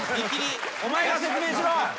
お前が説明しろ。